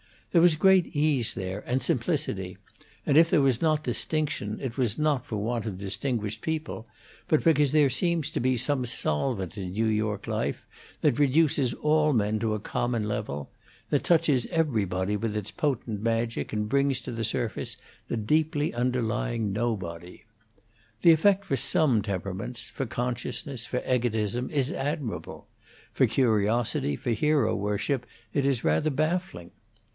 There was great ease there, and simplicity; and if there was not distinction, it was not for want of distinguished people, but because there seems to be some solvent in New York life that reduces all men to a common level, that touches everybody with its potent magic and brings to the surface the deeply underlying nobody. The effect for some temperaments, for consciousness, for egotism, is admirable; for curiosity, for hero worship, it is rather baffling.